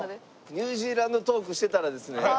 ニュージーランドトークしてたらですね